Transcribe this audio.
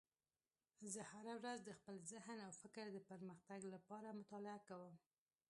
زه هره ورځ د خپل ذهن او فکر د پرمختګ لپاره مطالعه کوم